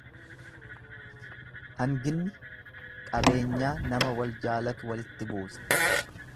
Hanginni qabeenyaa nama waljaalatu walitti buusa.